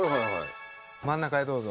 真ん中へどうぞ。